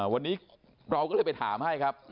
วันนี้เราก็เลยไปถามให้ครับ